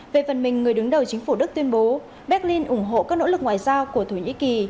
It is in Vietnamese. về phần mình người đứng đầu chính phủ đức tuyên bố berlin ủng hộ các nỗ lực ngoại giao của thổ nhĩ kỳ